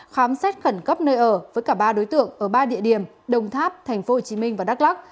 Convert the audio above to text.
khám xét khẩn cấp nơi ở với cả ba đối tượng ở ba địa điểm đồng tháp tp hcm và đắk lắc